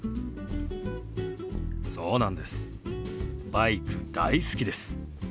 バイク大好きです。